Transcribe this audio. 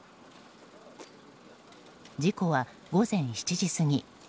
事故は、午前７時過ぎ。